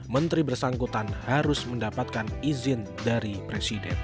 menteri bersangkutan harus mendapatkan izin dari presiden